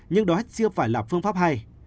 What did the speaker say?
nhưng đó chưa phải là phương pháp hay